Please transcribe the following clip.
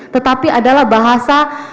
tetapi adalah bahasa